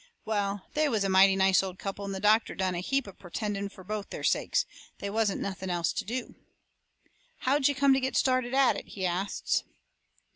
Well, they was a mighty nice old couple, and the doctor done a heap of pertending fur both their sakes they wasn't nothing else to do. "How'd you come to get started at it?" he asts.